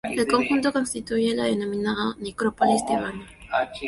El conjunto constituye la denominada necrópolis tebana.